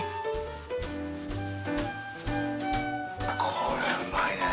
これはうまいね。